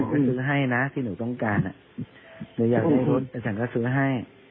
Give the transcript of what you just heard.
อาจารย์ก็ซื้อให้น่ะที่หนูต้องการอ่ะหนูอยากได้รถอาจารย์ก็ซื้อให้